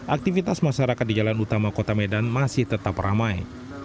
aktivitas masyarakat di jalan utama kota medan masih tetap ramai